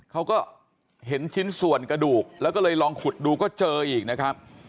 เขาก็เห็นชิ้นส่วนกระดูกแล้วก็เลยลองขุดดูก็เจออีกนะครับ